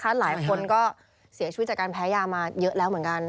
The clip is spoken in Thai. หลายคนก็เสียชีวิตจากการแพ้ยามาเยอะแล้วเหมือนกัน